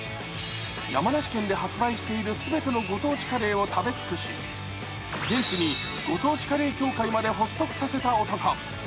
山梨県で発売している全てのご当地カレーを食べ尽くし現地にご当地カレー協会まで発足させた男。